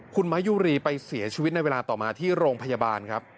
คุณมายุรีไปเสียชีวิตในเวลาต่อมาที่โรงพยาบาลครับ